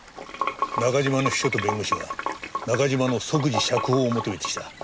中島の秘書と弁護士が中島の即時釈放を求めてきた。